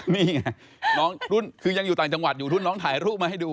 นี่ไงน้องรุ่นคือยังอยู่ต่างจังหวัดอยู่รุ่นน้องถ่ายรูปมาให้ดู